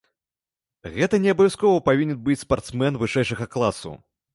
Гэта не абавязкова павінен быць спартсмен вышэйшага класу.